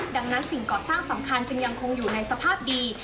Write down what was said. ดังนั้นสิ่งก่อสร้างสำคัญจึงยังคงอยู่ในสภาพดี